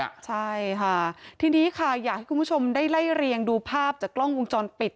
ใช่ค่ะทีนี้ค่ะอยากให้คุณผู้ชมได้ไล่เรียงดูภาพจากกล้องวงจรปิด